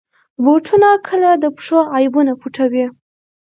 بوټونه کله د پښو عیبونه پټوي.